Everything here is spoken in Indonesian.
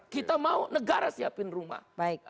kita mau negara siapin rumah